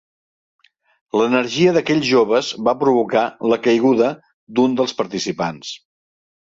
L'energia d'aquells joves va provocar la caiguda d'un dels participants.